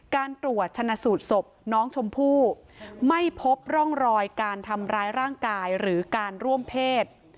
การตรวจชนะสูตรศพน้องชมพู่ไม่พบร่องรอยการทำร้ายร่างกายหรือการร่วมเพศ